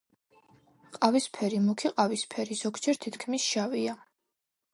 ყავისფერი, მუქი ყავისფერი, ზოგჯერ თითქმის შავია.